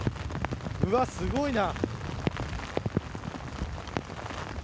うわ、すごいな。